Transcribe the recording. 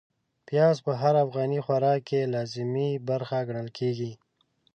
پياز په هر افغاني خوراک کې لازمي برخه ګڼل کېږي.